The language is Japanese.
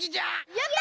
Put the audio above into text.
やった！